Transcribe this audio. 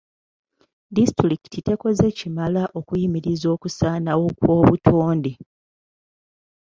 Disitulikiti tekoze kimala okuyimiriza okusaanawo kw'obutonde.